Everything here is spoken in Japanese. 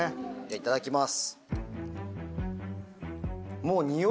いただきます。